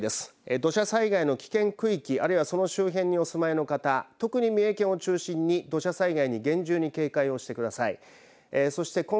土砂災害の危険区域あるいはその周辺にお住まいの方特に三重県を中心に土砂災害に厳重に警戒をしてください。